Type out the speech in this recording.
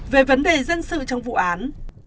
về vấn đề dân sự trong vụ án